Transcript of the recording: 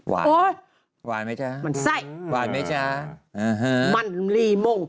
วายวายไหมจ๊ะวายไหมจ๊ะมันไหลมุก